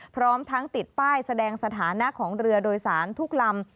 พร้อมทั้งติดป้ายแสดงสถานะของเรือโดยสารทุกลำ